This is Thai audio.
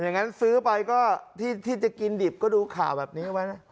งั้นซื้อไปก็ที่จะกินดิบก็ดูข่าวแบบนี้ไว้นะ